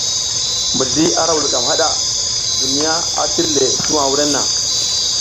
Mizli ara vulkam hada, duniya a tir le tuwa wurenna.